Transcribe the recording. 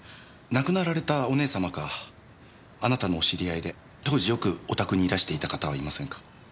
亡くなられたお姉さまかあなたのお知り合いで当時よくお宅にいらしていた方はいませんか？